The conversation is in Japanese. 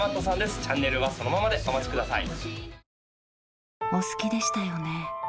チャンネルはそのままでお待ちください